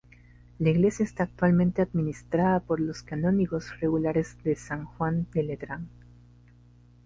La iglesia está actualmente administrada por los canónigos regulares de San Juan de Letrán.